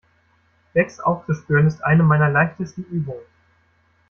Lecks aufzuspüren, ist eine meiner leichtesten Übungen.